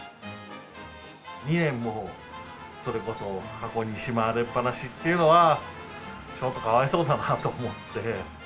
２年も、それこそ箱にしまわれっぱなしというのは、ちょっとかわいそうだなと思って。